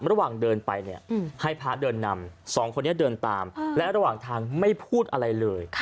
ระหว่างเดินไปเนี่ยให้พระเดินนำสองคนนี้เดินตามและระหว่างทางไม่พูดอะไรเลย